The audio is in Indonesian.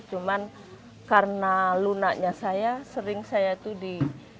cuma karena lunaknya saya sering saya tuh di